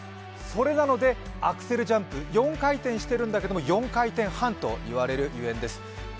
それなので、アクセルジャンプ、４回転しているんだけれども４回転半と言われるゆえんです。